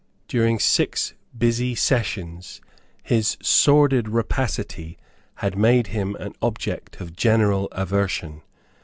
During six busy sessions his sordid rapacity had made him an object of general aversion.